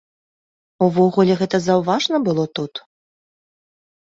Увогуле гэта заўважна было тут?